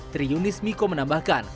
triunis miko menambahkan